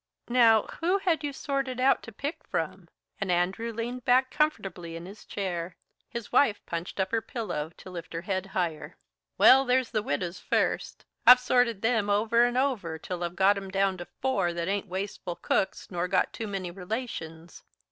"Now, who had you sorted out to pick from?" and Andrew leaned back comfortably in his chair. His wife punched up her pillow to lift her head higher. "Well, there's the widows first. I've sorted them over and over till I've got 'em down to four that ain't wasteful cooks nor got too many relations.